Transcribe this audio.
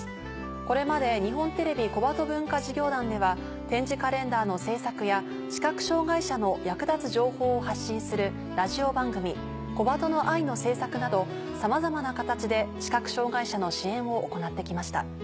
これまで日本テレビ小鳩文化事業団では点字カレンダーの製作や視覚障がい者の役立つ情報を発信するラジオ番組『小鳩の愛ｅｙｅ』の制作などさまざまな形で視覚障がい者の支援を行って来ました。